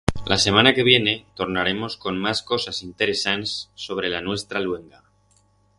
La semana que viene tornaremos con mas cosas interesants sobre la nuestra luenga.